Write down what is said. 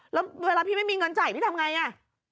แล้วเวลาพี่ไม่มีเงินจ่ายพี่ทำไงอ่ะ